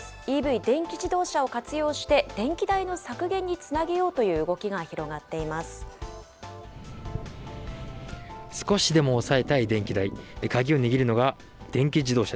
ＥＶ・電気自動車を活用して、電気代の削減につなげようという動少しでも抑えたい電気代。